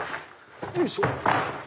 よいしょ。